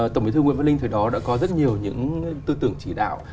tổng bí thư nguyễn văn linh từ đó đã có rất nhiều những tư tưởng chỉ đạo